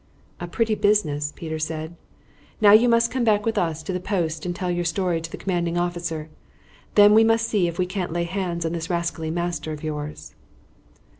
"A pretty business!" Peter said. "Now you must come back with us to the post and tell your story to the commanding officer. Then we must see if we can't lay hands on this rascally master of yours."